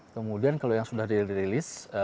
kemudian kalau yang sudah dirilis